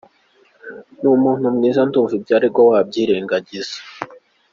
Ni umuntu mwiza, ndumva ibyo aregwa wabyirengagiza.